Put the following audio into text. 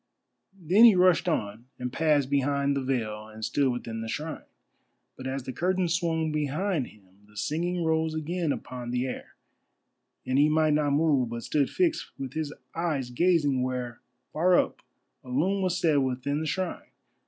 Then he rushed on and passed behind the veil and stood within the shrine. But as the curtains swung behind him the singing rose again upon the air, and he might not move, but stood fixed with his eyes gazing where, far up, a loom was set within the shrine.